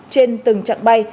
trên từng trạng bay